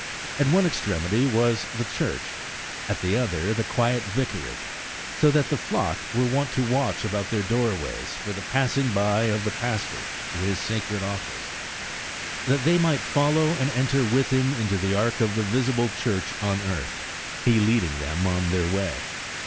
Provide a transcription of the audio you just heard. At one extremity was the church, at the other the quiet vicarage; so that the flock were wont to watch about their doorways for the passing by of the Pastor to his sacred office, that they might follow and enter with him into the ark of the visible church on earth, he leading them on their way.